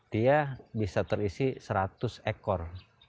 dia bisa terisi seratus ekor